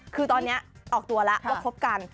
คือตอนนี้ออกตัวแล้วว่าคบกัน